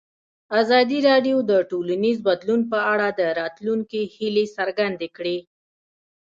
ازادي راډیو د ټولنیز بدلون په اړه د راتلونکي هیلې څرګندې کړې.